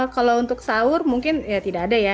kalau untuk sahur mungkin ya tidak ada ya